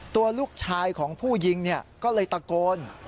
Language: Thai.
ตัวลูกชายของผู้ยิงก็เลยตะโกน